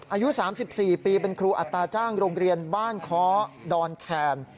อายุ๓๔ปีเป็นครูอัตราจ้างโรงเรียนบ้านค้อดอนแคน